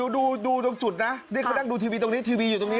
ดูตรงจุดนะนี่เขานั่งดูทีวีตรงนี้ทีวีอยู่ตรงนี้